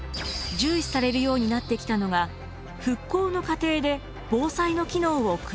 重視されるようになってきたのが復興の過程で防災の機能を組み込むこと。